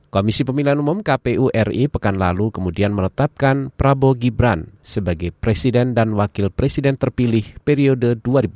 komisi pemilihan umum kpu ri pekan lalu kemudian menetapkan prabowo gibran sebagai presiden dan wakil presiden terpilih periode dua ribu dua puluh empat dua ribu dua puluh sembilan